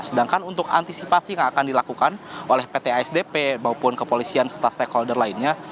sedangkan untuk antisipasi yang akan dilakukan oleh pt asdp maupun kepolisian serta stakeholder lainnya